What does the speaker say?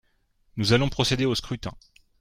Nous allons procéder au scrutin.